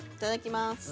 いただきます。